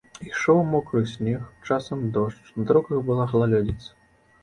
Ішоў мокры снег, часам дождж, на дарогах была галалёдзіца.